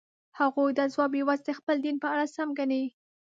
هغوی دا ځواب یوازې د خپل دین په اړه سم ګڼي.